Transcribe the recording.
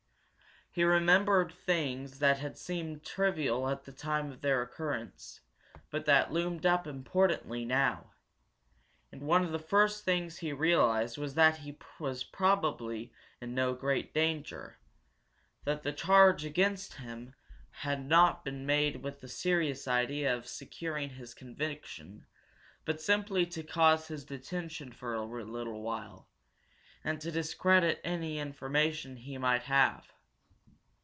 He remembered things that had seemed trivial at the time of their occurrence, but that loomed up importantly now. And one of the first things he realized was that he was probably in no great danger, that the charge against him had not been made with the serious idea of securing his conviction, but simply to cause his detention for a little while, and to discredit any information he might have.